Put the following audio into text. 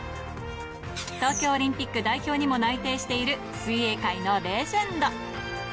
東京オリンピック代表にも内定している、水泳界のレジェンド。